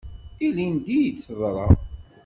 Ilindi i d-teḍra.